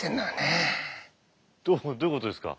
どういうことですか？